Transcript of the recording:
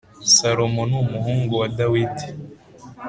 salomo numuhungu wa dawidi